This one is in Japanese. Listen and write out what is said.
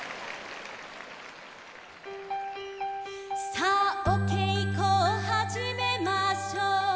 「さあおけいこをはじめましょう」